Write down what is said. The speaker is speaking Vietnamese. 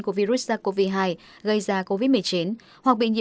của virus sars cov hai gây ra covid một mươi chín